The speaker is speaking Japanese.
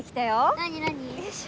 何何？